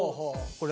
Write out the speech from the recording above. これ？